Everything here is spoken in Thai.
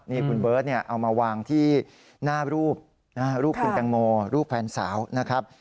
นี่คุณเบิร์ตเอามาวางที่หน้ารูปรูปคุณแตงโมรูปแฟนสาวนะครับ